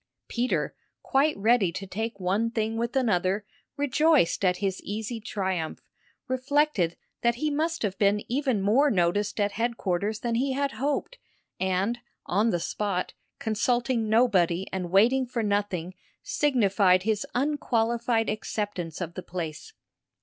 Peter, quite ready to take one thing with another, rejoiced at his easy triumph, reflected that he must have been even more noticed at headquarters than he had hoped, and, on the spot, consulting nobody and waiting for nothing, signified his unqualified acceptance of the place.